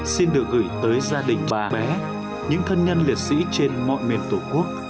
xin được gửi tới gia đình bà bé những thân nhân liệt sĩ trên mọi miền tổ quốc